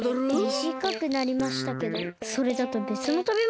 みじかくなりましたけどそれだとべつのたべものになっちゃいますよ。